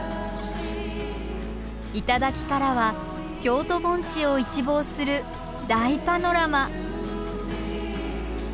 頂からは京都盆地を一望する大パノラマ。